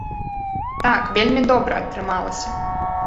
Так, вельмі добра атрымалася.